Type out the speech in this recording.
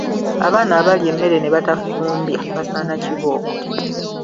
Abaana abalya emmere ne batafumbya basaana kibooko.